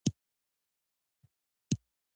مېوې د افغانستان د ځایي اقتصادونو یو پیاوړی بنسټ دی.